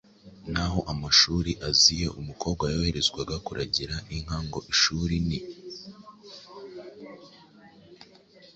Naho amashuri aziye, umukobwa yoherezwaga kuragira inka ngo ishuri ni